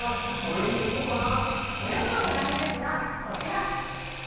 泳ぐのも大事ですがこちら。